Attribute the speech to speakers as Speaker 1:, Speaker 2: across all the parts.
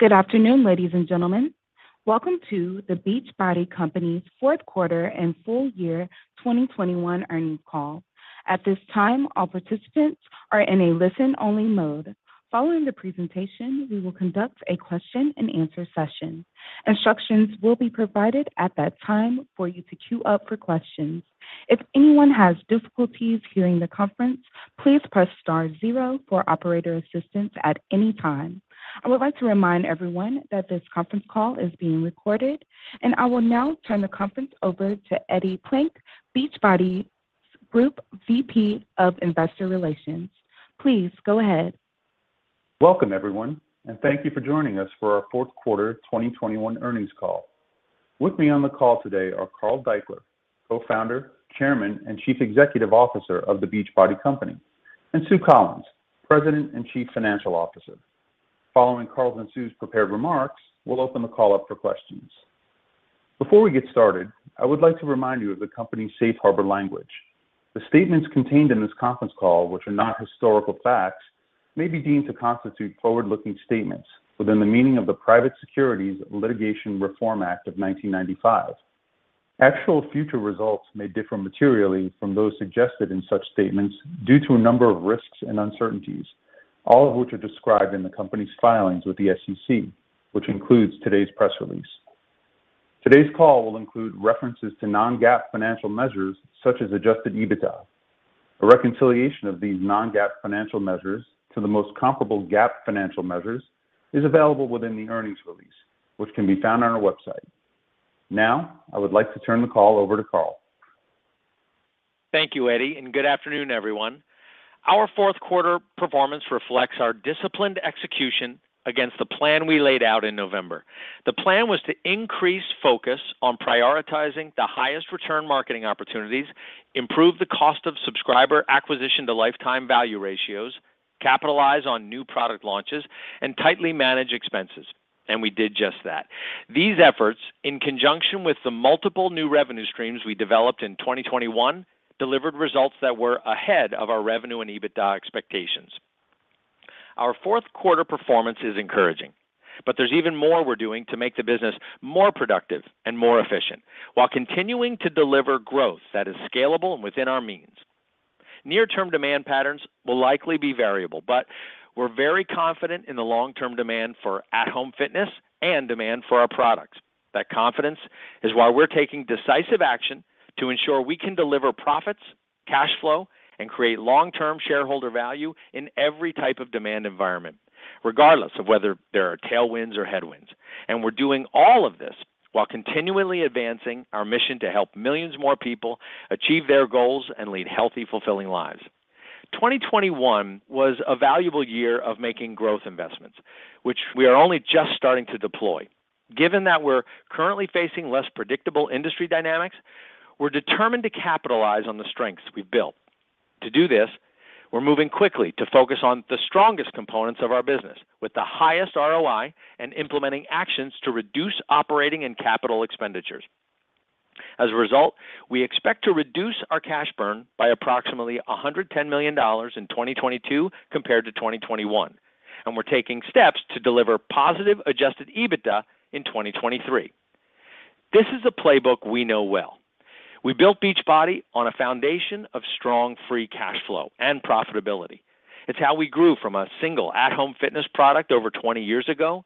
Speaker 1: Good afternoon, ladies and gentlemen. Welcome to The fourth quarter and full year 2021 earnings call. At this time, all participants are in a listen-only mode. Following the presentation, we will conduct a question-and-answer session. Instructions will be provided at that time for you to queue up for questions. If anyone has difficulties hearing the conference, please press star zero for operator assistance at any time. I would like to remind everyone that this conference call is being recorded. I will now turn the conference over to Eddie Plank, Beachbody Group VP of Investor Relations. Please go ahead.
Speaker 2: Welcome, everyone, and thank you for joining us for our fourth quarter 2021 earnings call. With me on the call today are Carl Daikeler, Co-founder, Chairman and Chief Executive Officer of The Beachbody Company, and Sue Collyns, President and Chief Financial Officer. Following Carl's and Sue's prepared remarks, we'll open the call up for questions. Before we get started, I would like to remind you of the company's safe harbor language. The statements contained in this conference call, which are not historical facts, may be deemed to constitute forward-looking statements within the meaning of the Private Securities Litigation Reform Act of 1995. Actual future results may differ materially from those suggested in such statements due to a number of risks and uncertainties, all of which are described in the company's filings with the SEC, which includes today's press release. Today's call will include references to non-GAAP financial measures such as adjusted EBITDA. A reconciliation of these non-GAAP financial measures to the most comparable GAAP financial measures is available within the earnings release, which can be found on our website. Now, I would like to turn the call over to Carl.
Speaker 3: Thank you, Eddie, and good afternoon, everyone. Our fourth quarter performance reflects our disciplined execution against the plan we laid out in November. The plan was to increase focus on prioritizing the highest return marketing opportunities, improve the cost of subscriber acquisition to lifetime value ratios, capitalize on new product launches, and tightly manage expenses. We did just that. These efforts, in conjunction with the multiple new revenue streams we developed in 2021, delivered results that were ahead of our revenue and EBITDA expectations. Our fourth quarter performance is encouraging, but there's even more we're doing to make the business more productive and more efficient while continuing to deliver growth that is scalable and within our means. Near-term demand patterns will likely be variable, but we're very confident in the long-term demand for at-home fitness and demand for our products. That confidence is why we're taking decisive action to ensure we can deliver profits, cash flow, and create long-term shareholder value in every type of demand environment, regardless of whether there are tailwinds or headwinds. We're doing all of this while continually advancing our mission to help millions more people achieve their goals and lead healthy, fulfilling lives. 2021 was a valuable year of making growth investments, which we are only just starting to deploy. Given that we're currently facing less predictable industry dynamics, we're determined to capitalize on the strengths we've built. To do this, we're moving quickly to focus on the strongest components of our business with the highest ROI and implementing actions to reduce operating and capital expenditures. As a result, we expect to reduce our cash burn by approximately $110 million in 2022 compared to 2021, and we're taking steps to deliver positive adjusted EBITDA in 2023. This is a playbook we know well. We built Beachbody on a foundation of strong free cash flow and profitability. It's how we grew from a single at-home fitness product over 20 years ago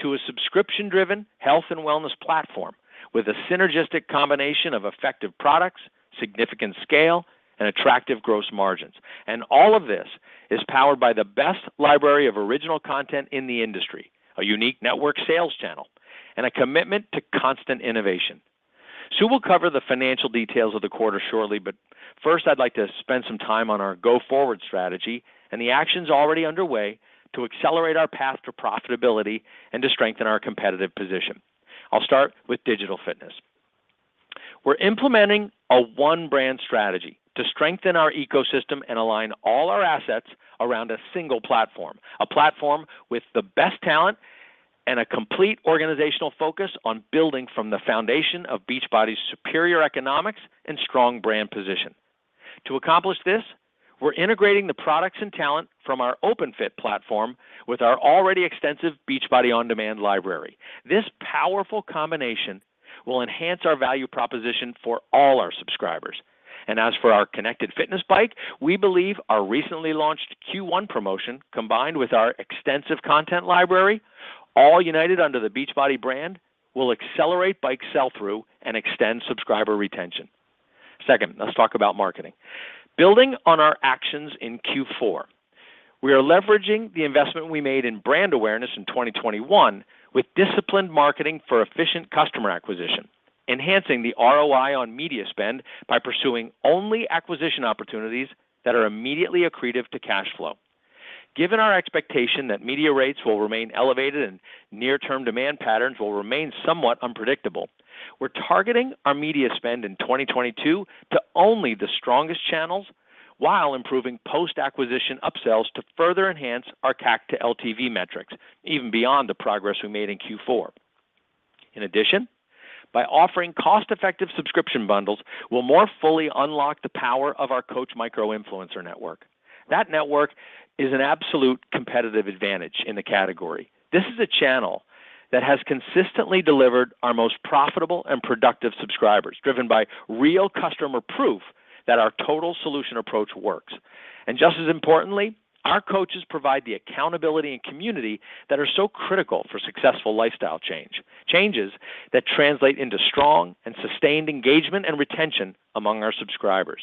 Speaker 3: to a subscription-driven health and wellness platform with a synergistic combination of effective products, significant scale, and attractive gross margins. All of this is powered by the best library of original content in the industry, a unique network sales channel, and a commitment to constant innovation. Sue will cover the financial details of the quarter shortly, but first, I'd like to spend some time on our go-forward strategy and the actions already underway to accelerate our path to profitability and to strengthen our competitive position. I'll start with digital fitness. We're implementing a one-brand strategy to strengthen our ecosystem and align all our assets around a single platform, a platform with the best talent and a complete organizational focus on building from the foundation of Beachbody's superior economics and strong brand position. To accomplish this, we're integrating the products and talent from our Openfit platform with our already extensive Beachbody On Demand library. This powerful combination will enhance our value proposition for all our subscribers. As for our Connected Fitness bike, we believe our recently launched Q1 promotion, combined with our extensive content library, all united under the Beachbody brand, will accelerate bike sell-through and extend subscriber retention. Second, let's talk about marketing. Building on our actions in Q4, we are leveraging the investment we made in brand awareness in 2021 with disciplined marketing for efficient customer acquisition, enhancing the ROI on media spend by pursuing only acquisition opportunities that are immediately accretive to cash flow. Given our expectation that media rates will remain elevated and near-term demand patterns will remain somewhat unpredictable, we're targeting our media spend in 2022 to only the strongest channels while improving post-acquisition upsells to further enhance our CAC to LTV metrics, even beyond the progress we made in Q4. In addition, by offering cost-effective subscription bundles, we'll more fully unlock the power of our coach micro-influencer network. That network is an absolute competitive advantage in the category. This is a channel that has consistently delivered our most profitable and productive subscribers, driven by real customer proof that our total solution approach works. Just as importantly, our coaches provide the accountability and community that are so critical for successful lifestyle change, changes that translate into strong and sustained engagement and retention among our subscribers.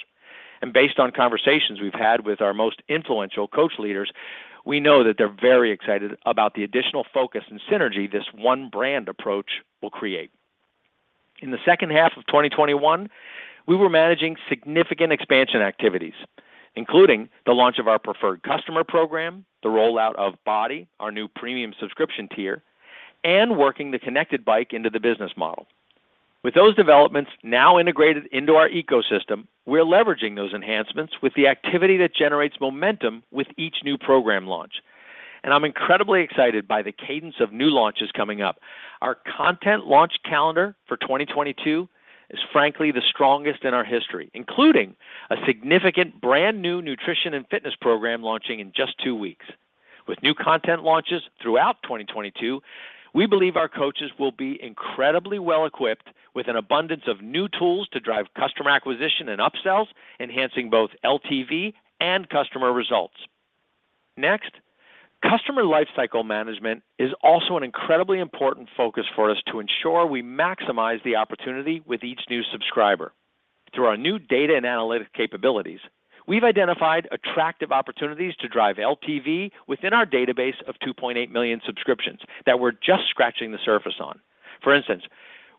Speaker 3: Based on conversations we've had with our most influential coach leaders, we know that they're very excited about the additional focus and synergy this one brand approach will create. In the second half of 2021, we were managing significant expansion activities, including the launch of our preferred customer program, the rollout of BODi, our new premium subscription tier, and working the connected bike into the business model. With those developments now integrated into our ecosystem, we're leveraging those enhancements with the activity that generates momentum with each new program launch. I'm incredibly excited by the cadence of new launches coming up. Our content launch calendar for 2022 is frankly the strongest in our history, including a significant brand new nutrition and fitness program launching in just 2 weeks. With new content launches throughout 2022, we believe our coaches will be incredibly well equipped with an abundance of new tools to drive customer acquisition and upsells, enhancing both LTV and customer results. Next, customer lifecycle management is also an incredibly important focus for us to ensure we maximize the opportunity with each new subscriber. Through our new data and analytic capabilities, we've identified attractive opportunities to drive LTV within our database of 2.8 million subscriptions that we're just scratching the surface on. For instance,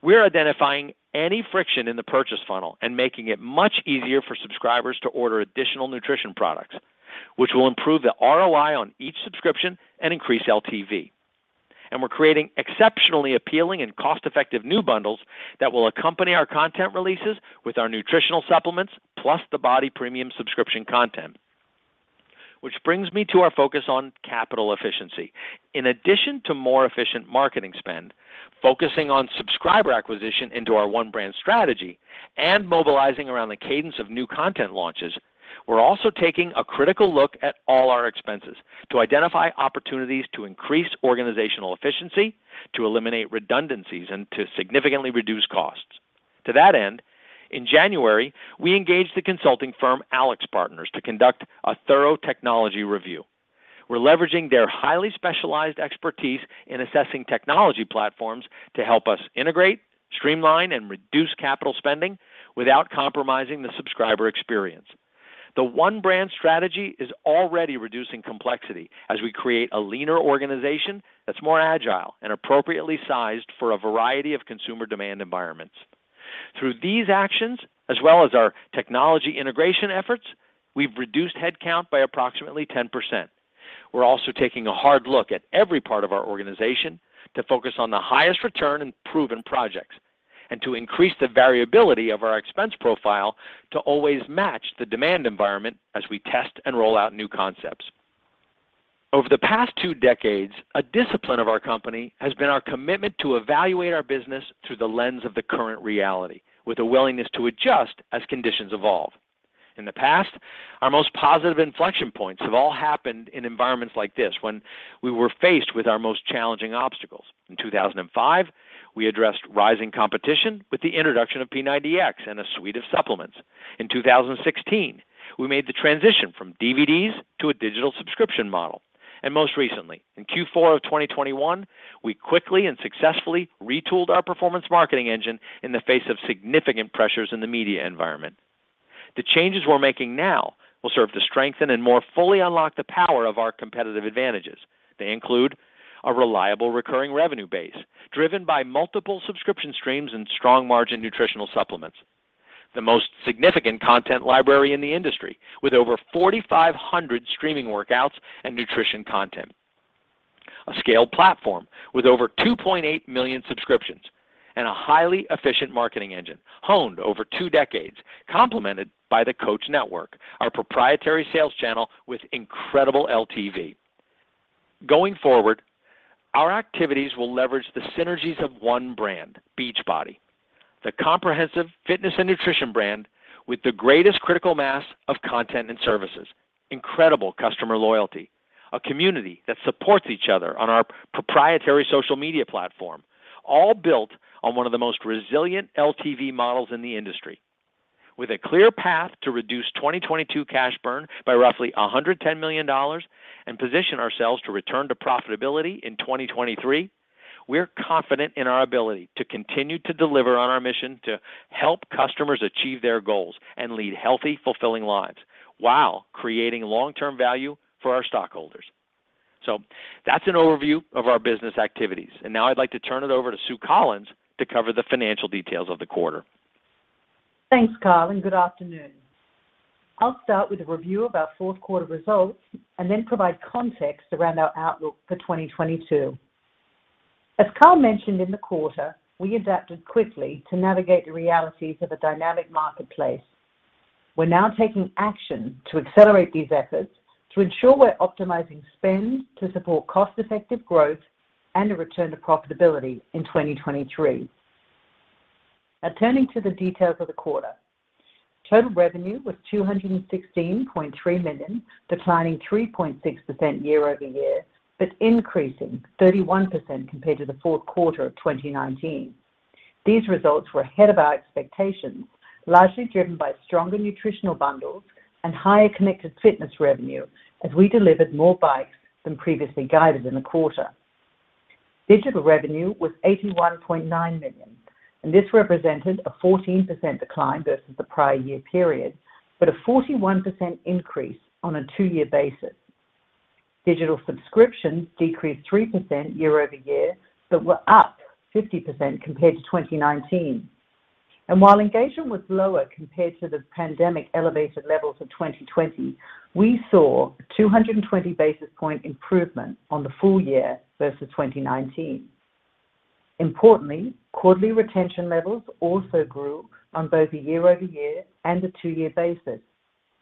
Speaker 3: we're identifying any friction in the purchase funnel and making it much easier for subscribers to order additional nutrition products, which will improve the ROI on each subscription and increase LTV. We're creating exceptionally appealing and cost-effective new bundles that will accompany our content releases with our nutritional supplements plus the BODi premium subscription content. Which brings me to our focus on capital efficiency. In addition to more efficient marketing spend, focusing on subscriber acquisition into our one brand strategy, and mobilizing around the cadence of new content launches, we're also taking a critical look at all our expenses to identify opportunities to increase organizational efficiency, to eliminate redundancies, and to significantly reduce costs. To that end, in January, we engaged the consulting firm AlixPartners to conduct a thorough technology review. We're leveraging their highly specialized expertise in assessing technology platforms to help us integrate, streamline, and reduce capital spending without compromising the subscriber experience. The one brand strategy is already reducing complexity as we create a leaner organization that's more agile and appropriately sized for a variety of consumer demand environments. Through these actions, as well as our technology integration efforts, we've reduced headcount by approximately 10%. We're also taking a hard look at every part of our organization to focus on the highest return and proven projects, and to increase the variability of our expense profile to always match the demand environment as we test and roll out new concepts. Over the past two decades, a discipline of our company has been our commitment to evaluate our business through the lens of the current reality, with a willingness to adjust as conditions evolve. In the past, our most positive inflection points have all happened in environments like this when we were faced with our most challenging obstacles. In 2005, we addressed rising competition with the introduction of P90X and a suite of supplements. In 2016, we made the transition from DVDs to a digital subscription model. Most recently, in Q4 of 2021, we quickly and successfully retooled our performance marketing engine in the face of significant pressures in the media environment. The changes we're making now will serve to strengthen and more fully unlock the power of our competitive advantages. They include a reliable recurring revenue base driven by multiple subscription streams and strong margin nutritional supplements, the most significant content library in the industry with over 4,500 streaming workouts and nutrition content, a scaled platform with over 2.8 million subscriptions, and a highly efficient marketing engine honed over two decades, complemented by The Coach Network, our proprietary sales channel with incredible LTV. Going forward, our activities will leverage the synergies of one brand, Beachbody, the comprehensive fitness and nutrition brand with the greatest critical mass of content and services, incredible customer loyalty, a community that supports each other on our proprietary social media platform, all built on one of the most resilient LTV models in the industry. With a clear path to reduce 2022 cash burn by roughly $110 million and position ourselves to return to profitability in 2023, we're confident in our ability to continue to deliver on our mission to help customers achieve their goals and lead healthy, fulfilling lives while creating long-term value for our stockholders. That's an overview of our business activities. Now I'd like to turn it over to Sue Collyns to cover the financial details of the quarter.
Speaker 4: Thanks, Carl, and good afternoon. I'll start with a review of our fourth quarter results and then provide context around our outlook for 2022. As Carl mentioned in the quarter, we adapted quickly to navigate the realities of a dynamic marketplace. We're now taking action to accelerate these efforts to ensure we're optimizing spend to support cost-effective growth and a return to profitability in 2023. Now turning to the details of the quarter. Total revenue was $216.3 million, declining 3.6% year-over-year, but increasing 31% compared to the fourth quarter of 2019. These results were ahead of our expectations, largely driven by stronger nutritional bundles and higher Connected Fitness revenue as we delivered more bikes than previously guided in the quarter. Digital revenue was $81.9 million, and this represented a 14% decline versus the prior year period, but a 41% increase on a two-year basis. Digital subscriptions decreased 3% year-over-year, but were up 50% compared to 2019. While engagement was lower compared to the pandemic elevated levels of 2020, we saw 220 basis point improvement on the full year versus 2019. Importantly, quarterly retention levels also grew on both a year-over-year and a two-year basis.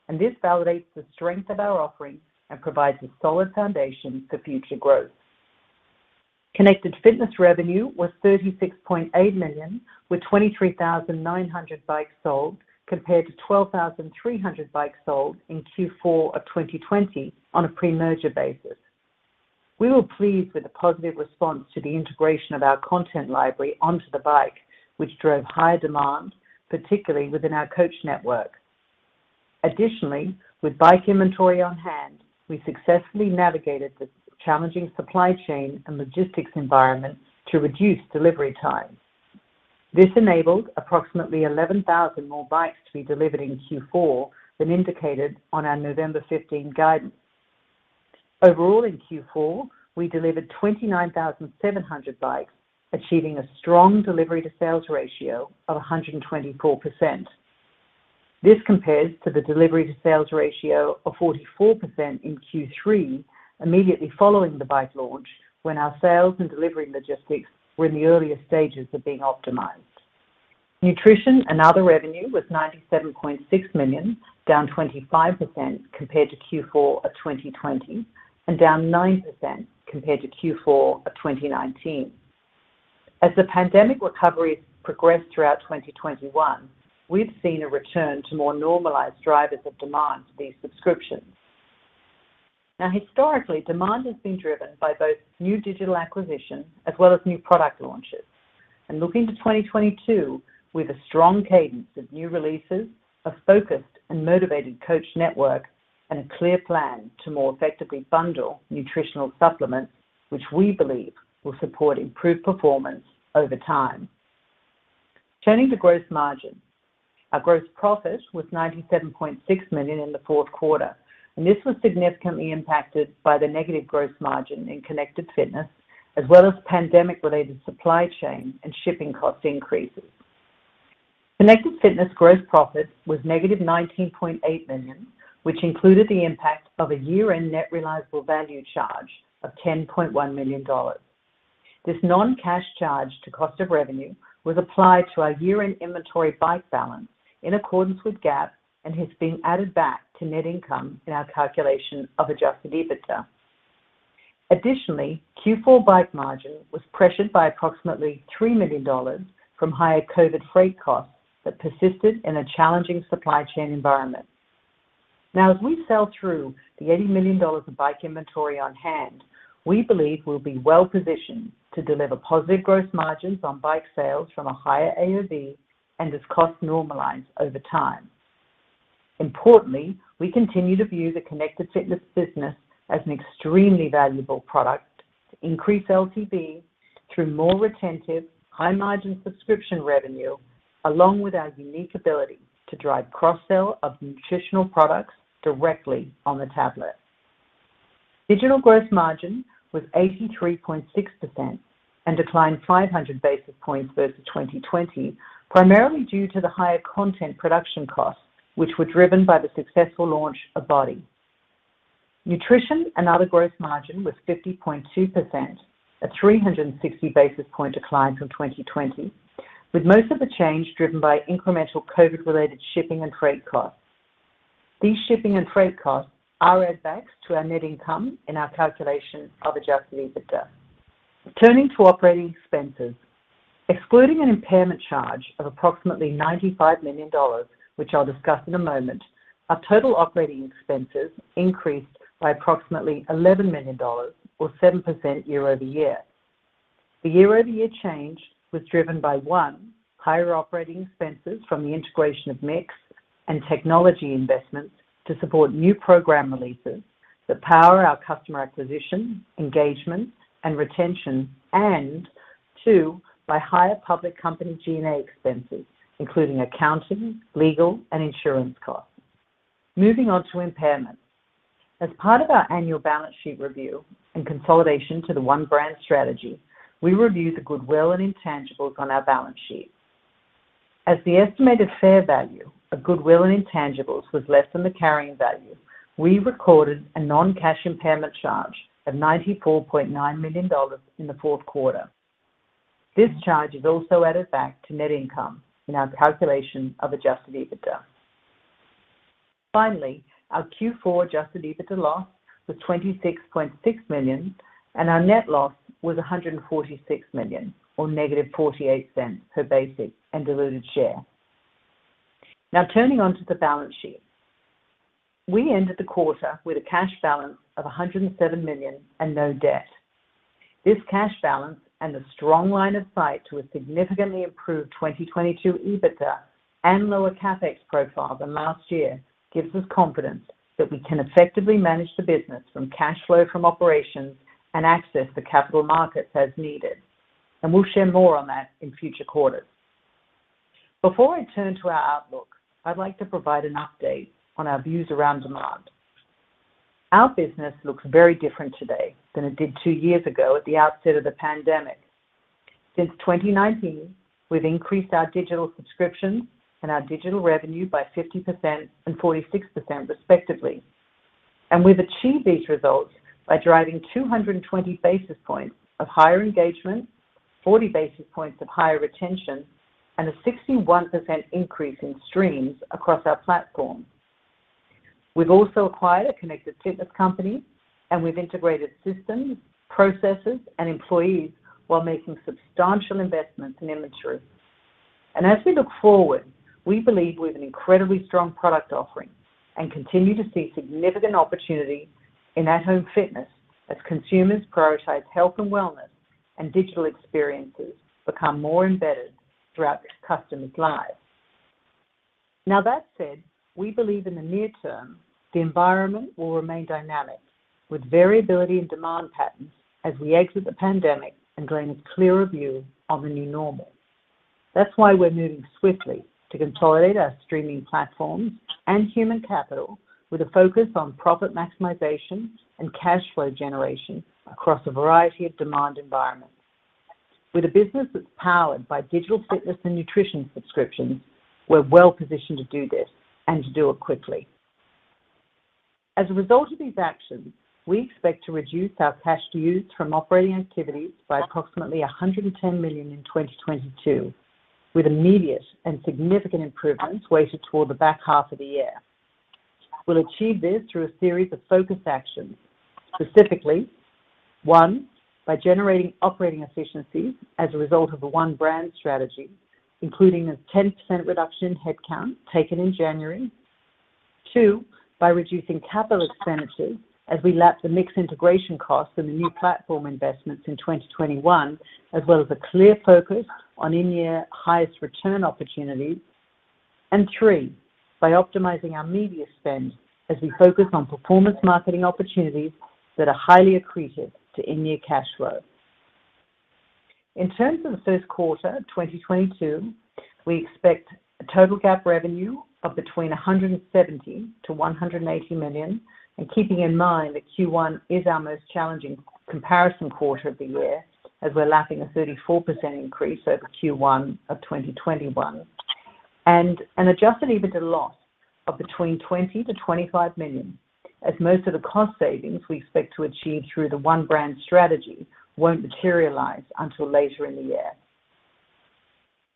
Speaker 4: This validates the strength of our offering and provides a solid foundation for future growth. Connected Fitness revenue was $36.8 million, with 23,900 bikes sold compared to 12,300 bikes sold in Q4 of 2020 on a pre-merger basis. We were pleased with the positive response to the integration of our content library onto the bike, which drove higher demand, particularly within our Coach Network. Additionally, with bike inventory on hand, we successfully navigated the challenging supply chain and logistics environment to reduce delivery times. This enabled approximately 11,000 more bikes to be delivered in Q4 than indicated on our November 15 guidance. Overall, in Q4, we delivered 29,700 bikes, achieving a strong delivery to sales ratio of 124%. This compares to the delivery to sales ratio of 44% in Q3 immediately following the bike launch when our sales and delivery logistics were in the earliest stages of being optimized. Nutrition and other revenue was $97.6 million, down 25% compared to Q4 of 2020 and down 9% compared to Q4 of 2019. As the pandemic recovery has progressed throughout 2021, we've seen a return to more normalized drivers of demand for these subscriptions. Now historically, demand has been driven by both new digital acquisition as well as new product launches. Look into 2022 with a strong cadence of new releases, a focused and motivated Coach Network, and a clear plan to more effectively bundle nutritional supplements, which we believe will support improved performance over time. Turning to gross margin. Our gross profit was $97.6 million in the fourth quarter, and this was significantly impacted by the negative gross margin in Connected Fitness, as well as pandemic-related supply chain and shipping cost increases. Connected Fitness gross profit was negative $19.8 million, which included the impact of a year-end net realizable value charge of $10.1 million. This non-cash charge to cost of revenue was applied to our year-end inventory bike balance in accordance with GAAP and has been added back to net income in our calculation of adjusted EBITDA. Additionally, Q4 bike margin was pressured by approximately $3 million from higher COVID freight costs that persisted in a challenging supply chain environment. Now as we sell through the $80 million of bike inventory on hand, we believe we'll be well positioned to deliver positive gross margins on bike sales from a higher AOV and as cost normalizes over time. Importantly, we continue to view the Connected Fitness business as an extremely valuable product to increase LTV through more retentive, high-margin subscription revenue, along with our unique ability to drive cross-sell of nutritional products directly on the tablet. Digital gross margin was 83.6% and declined 500 basis points versus 2020, primarily due to the higher content production costs, which were driven by the successful launch of BODi. Nutrition and other gross margin was 50.2%, a 360 basis point decline from 2020, with most of the change driven by incremental COVID-related shipping and freight costs. These shipping and freight costs are added back to our net income in our calculation of adjusted EBITDA. Turning to operating expenses. Excluding an impairment charge of approximately $95 million, which I'll discuss in a moment, our total operating expenses increased by approximately $11 million or 7% year-over-year. The year-over-year change was driven by, one, higher operating expenses from the integration of Myx and technology investments to support new program releases that power our customer acquisition, engagement, and retention, and two, by higher public company G&A expenses, including accounting, legal, and insurance costs. Moving on to impairment. As part of our annual balance sheet review and consolidation to the one brand strategy, we review the goodwill and intangibles on our balance sheet. As the estimated fair value of goodwill and intangibles was less than the carrying value, we recorded a non-cash impairment charge of $94.9 million in the fourth quarter. This charge is also added back to net income in our calculation of adjusted EBITDA. Finally, our Q4 adjusted EBITDA loss was $26.6 million, and our net loss was $146 million, or -$0.48 per basic and diluted share. Now turning to the balance sheet. We ended the quarter with a cash balance of $107 million and no debt. This cash balance and the strong line of sight to a significantly improved 2022 EBITDA and lower CapEx profile than last year gives us confidence that we can effectively manage the business from cash flow from operations and access to capital markets as needed. We'll share more on that in future quarters. Before I turn to our outlook, I'd like to provide an update on our views around demand. Our business looks very different today than it did two years ago at the outset of the pandemic. Since 2019, we've increased our digital subscriptions and our digital revenue by 50% and 46% respectively. We've achieved these results by driving 220 basis points of higher engagement, 40 basis points of higher retention, and a 61% increase in streams across our platform. We've also acquired a connected fitness company, and we've integrated systems, processes, and employees while making substantial investments in inventory. As we look forward, we believe we have an incredibly strong product offering and continue to see significant opportunity in at-home fitness as consumers prioritize health and wellness, and digital experiences become more embedded throughout customers' lives. Now, that said, we believe in the near term, the environment will remain dynamic with variability in demand patterns as we exit the pandemic and gain a clearer view of a new normal. That's why we're moving swiftly to consolidate our streaming platforms and human capital with a focus on profit maximization and cash flow generation across a variety of demand environments. With a business that's powered by digital fitness and nutrition subscriptions, we're well-positioned to do this and to do it quickly. As a result of these actions, we expect to reduce our cash used from operating activities by approximately $110 million in 2022, with immediate and significant improvements weighted toward the back half of the year. We'll achieve this through a series of focused actions, specifically, one, by generating operating efficiencies as a result of a one brand strategy, including a 10% reduction in headcount taken in January. Two, by reducing capital expenditures as we lap the Myx integration costs of the new platform investments in 2021, as well as a clear focus on in-year highest return opportunities. Three, by optimizing our media spend as we focus on performance marketing opportunities that are highly accretive to in-year cash flow. In terms of the first quarter 2022, we expect a total GAAP revenue of between $170 million-$180 million, keeping in mind that Q1 is our most challenging comparison quarter of the year as we're lapping a 34% increase over Q1 of 2021. An adjusted EBITDA loss of between $20 million-$25 million, as most of the cost savings we expect to achieve through the one brand strategy won't materialize until later in the year.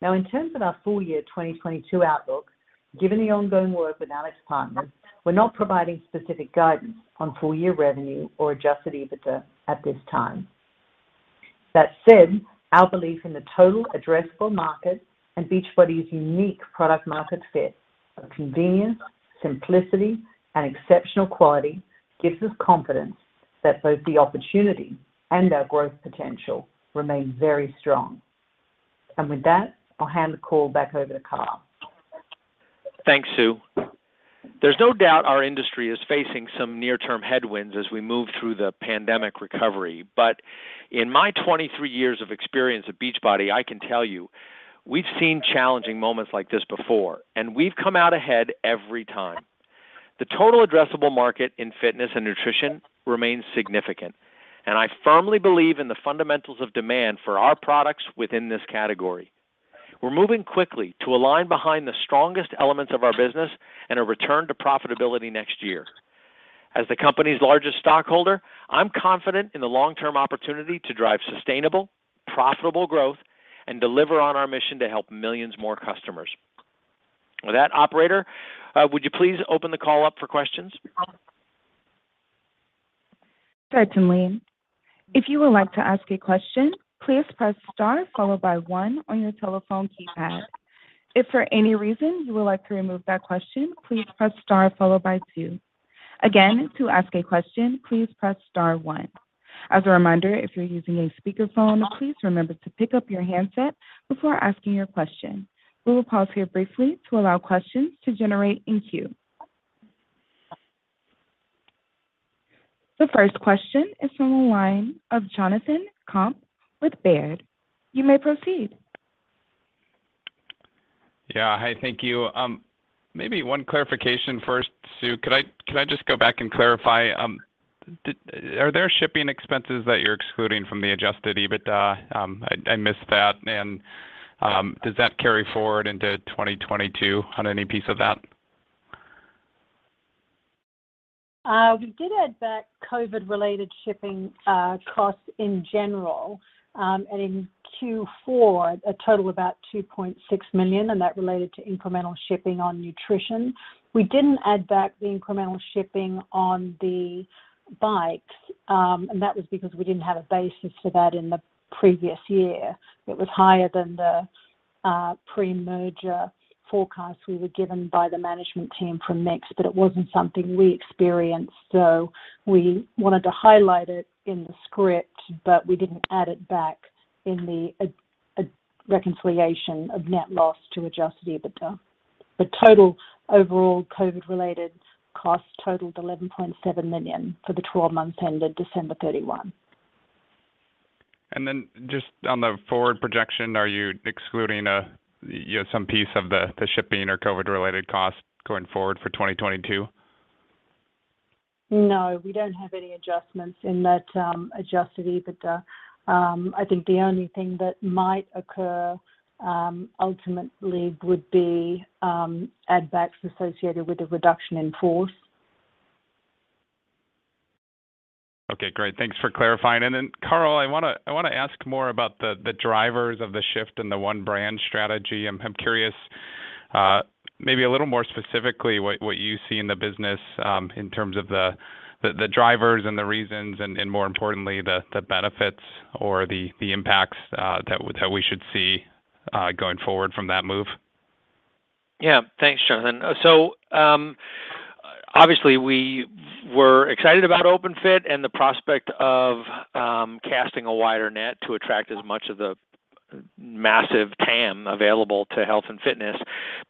Speaker 4: Now, in terms of our full year 2022 outlook, given the ongoing work with AlixPartners, we're not providing specific guidance on full year revenue or adjusted EBITDA at this time. That said, our belief in the total addressable market and Beachbody's unique product market fit of convenience, simplicity, and exceptional quality gives us confidence that both the opportunity and our growth potential remain very strong. With that, I'll hand the call back over to Carl.
Speaker 3: Thanks, Sue. There's no doubt our industry is facing some near-term headwinds as we move through the pandemic recovery. In my 23 years of experience at Beachbody, I can tell you we've seen challenging moments like this before, and we've come out ahead every time. The total addressable market in fitness and nutrition remains significant, and I firmly believe in the fundamentals of demand for our products within this category. We're moving quickly to align behind the strongest elements of our business and a return to profitability next year. As the company's largest stockholder, I'm confident in the long-term opportunity to drive sustainable, profitable growth and deliver on our mission to help millions more customers. With that, operator, would you please open the call up for questions?
Speaker 1: Certainly. If you would like to ask a question, please press star followed by one on your telephone keypad. If for any reason you would like to remove that question, please press star followed by two. Again, to ask a question, please press star one. As a reminder, if you're using a speakerphone, please remember to pick up your handset before asking your question. We will pause here briefly to allow questions to generate in queue. The first question is from the line of Jonathan Komp with Baird. You may proceed.
Speaker 5: Yeah. Hi. Thank you. Maybe one clarification first, Sue. Could I just go back and clarify, are there shipping expenses that you're excluding from the adjusted EBITDA? I missed that. Does that carry forward into 2022 on any piece of that?
Speaker 4: We did add back COVID-related shipping costs in general, and in Q4, a total of about $2.6 million, and that related to incremental shipping on nutrition. We didn't add back the incremental shipping on the bikes, and that was because we didn't have a basis for that in the previous year. It was higher than the pre-merger forecast we were given by the management team from Myx, but it wasn't something we experienced. We wanted to highlight it in the script, but we didn't add it back in the reconciliation of net loss to adjusted EBITDA. The total overall COVID-related costs totaled $11.7 million for the 12 months ended December 31.
Speaker 5: Then just on the forward projection, are you excluding, you know, some piece of the shipping or COVID-related costs going forward for 2022?
Speaker 4: No, we don't have any adjustments in that, adjusted EBITDA. I think the only thing that might occur ultimately would be add-backs associated with the reduction in force.
Speaker 5: Okay, great. Thanks for clarifying. Carl, I wanna ask more about the drivers of the shift in the one brand strategy. I'm curious, maybe a little more specifically what you see in the business, in terms of the drivers and the reasons and more importantly, the benefits or the impacts, how we should see going forward from that move.
Speaker 3: Yeah. Thanks, Jonathan. Obviously, we were excited about Openfit and the prospect of casting a wider net to attract as much of the massive TAM available to health and fitness.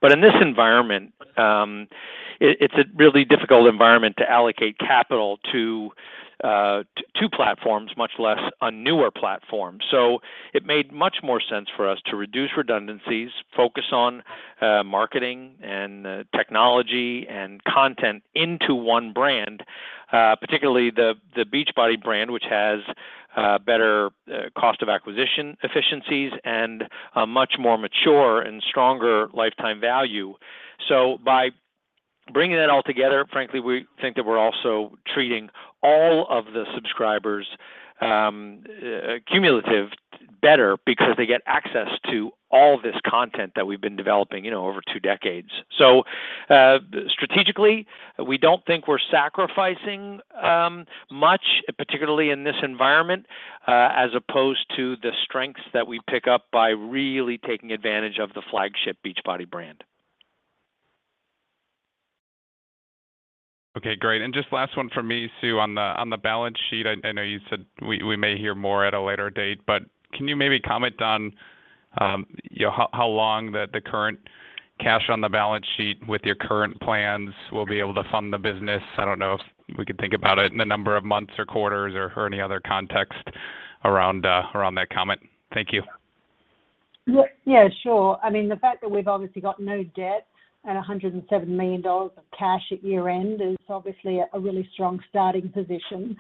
Speaker 3: In this environment, it's a really difficult environment to allocate capital to two platforms, much less a newer platform. It made much more sense for us to reduce redundancies, focus on marketing and technology and content into one brand, particularly the Beachbody brand, which has better cost of acquisition efficiencies and a much more mature and stronger lifetime value. By bringing that all together, frankly, we think that we're also treating all of the subscribers cumulative better because they get access to all this content that we've been developing, you know, over two decades. Strategically, we don't think we're sacrificing much, particularly in this environment, as opposed to the strengths that we pick up by really taking advantage of the flagship Beachbody brand.
Speaker 5: Okay, great. Just last one from me, Sue, on the balance sheet, I know you said we may hear more at a later date, but can you maybe comment on, you know, how long the current cash on the balance sheet with your current plans will be able to fund the business? I don't know if we could think about it in the number of months or quarters or any other context around that comment. Thank you.
Speaker 4: Yeah, sure. I mean, the fact that we've obviously got no debt and $107 million of cash at year-end is obviously a really strong starting position.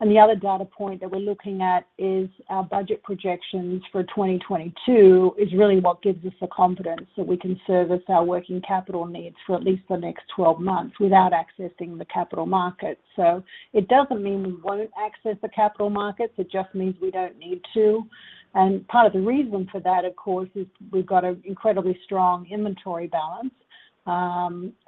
Speaker 4: The other data point that we're looking at is our budget projections for 2022 is really what gives us the confidence that we can service our working capital needs for at least the next 12 months without accessing the capital markets. It doesn't mean we won't access the capital markets, it just means we don't need to. Part of the reason for that, of course, is we've got an incredibly strong inventory balance,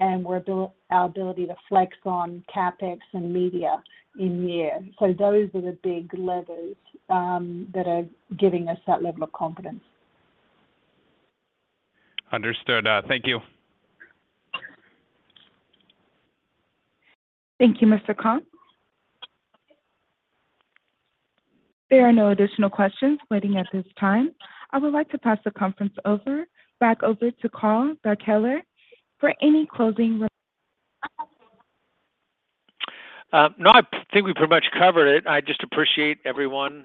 Speaker 4: and we're our ability to flex on CapEx and media in year. Those are the big levers that are giving us that level of confidence.
Speaker 5: Understood. Thank you.
Speaker 1: Thank you, Mr. Komp. There are no additional questions waiting at this time. I would like to pass the conference back over to Carl Daikeler for any closing remarks.
Speaker 3: Now, I think we pretty much covered it. I just appreciate everyone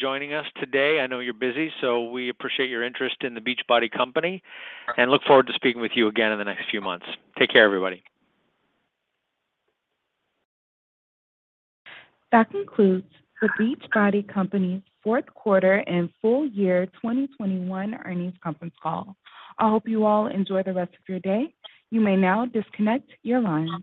Speaker 3: joining us today. I know you're busy, so we appreciate your interest in The Beachbody Company and look forward to speaking with you again in the next few months. Take care, everybody.
Speaker 1: That concludes The Beachbody Company's fourth quarter and full year 2021 earnings conference call. I hope you all enjoy the rest of your day. You may now disconnect your lines.